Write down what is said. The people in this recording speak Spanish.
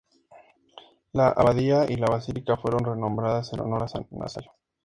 La abadía y la basílica fueron renombradas en honor a San Nazario.